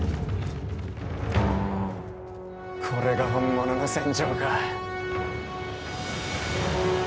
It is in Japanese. これが本物の戦場か。